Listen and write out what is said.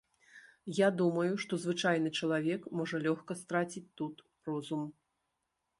Я думаю, што звычайны чалавек можа лёгка страціць тут розум.